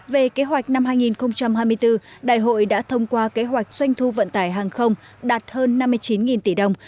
về kế hoạch năm hai nghìn hai mươi bốn đại hội đã thông qua kế hoạch doanh thu vận tải hàng không đạt hơn năm mươi chín tỷ đồng